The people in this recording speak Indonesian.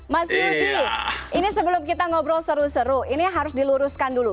mas yudi ini sebelum kita ngobrol seru seru ini harus diluruskan dulu